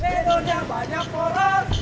di dunia banyak poros